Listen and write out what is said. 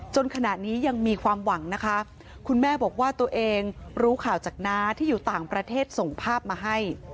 ขณะนี้ยังมีความหวังนะคะคุณแม่บอกว่าตัวเองรู้ข่าวจากน้าที่อยู่ต่างประเทศส่งภาพมาให้